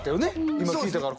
今聞いたから。